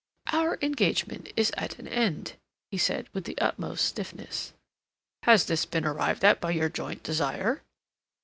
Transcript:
"Our engagement is at an end," he said, with the utmost stiffness. "Has this been arrived at by your joint desire?"